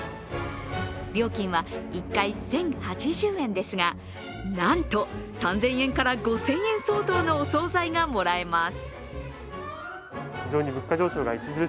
料金は１回１０８０円ですがなんと３０００円から５０００円相当のお総菜がもらえます。